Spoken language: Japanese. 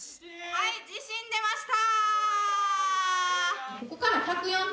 はい地震出ました！